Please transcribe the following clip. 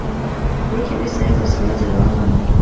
Ariko abisirayeli bose bajyaga bamanuka